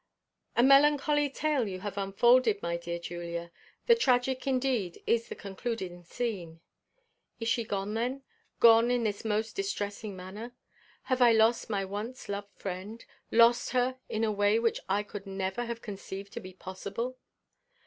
A melancholy tale have you unfolded, my dear Julia; and tragic indeed is the concluding scene. Is she then gone? gone in this most distressing manner? Have I lost my once loved friend? lost her in a way which I could never have conceived to be possible?